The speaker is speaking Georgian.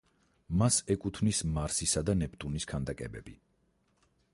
მას ეკუთვნის მარსისა და ნეპტუნის ქანდაკებები.